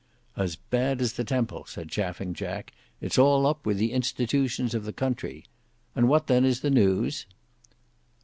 "As bad as the Temple," said Chaffing Jack, "it's all up with the institutions of the country. And what then is the news?"